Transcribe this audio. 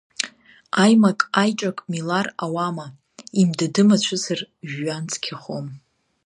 Аимак-аиҿак милар ауама, имдыды-мацәысыр жәҩан цқьахом.